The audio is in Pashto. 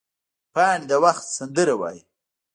پاڼې د وخت سندره وایي